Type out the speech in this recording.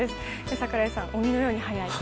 櫻井さん、鬼のように速いと。